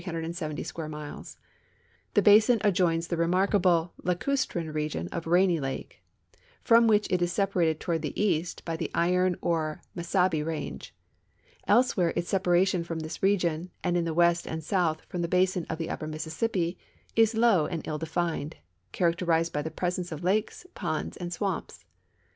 The basin adjoins the remarkable AREA AND DRAINAGE BASIN OF LAKE SUPERIOR 117 lacustrine region of Rainy lake, from whicli it is separated toward the east by the Iron or Mesahi range. Elsewhere its sei)aration from this region, and in the west and south from the basin of the upper Mississippi, is low and ill defined, character ized by the presence of lakes, ponds, and swamps.